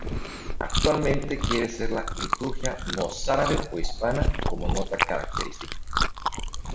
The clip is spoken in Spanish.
Actualmente quiere ser la liturgia mozárabe o hispana, como nota característica.